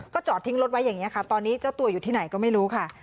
จอดทิ้งรถไว้อย่างนี้ค่ะตอนนี้เจ้าตัวอยู่ที่ไหนก็ไม่รู้ค่ะ